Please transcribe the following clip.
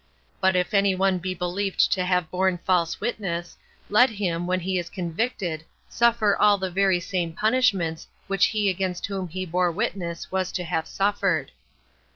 But if any one be believed to have borne false witness, let him, when he is convicted, suffer all the very same punishments which he against whom he bore witness was to have suffered.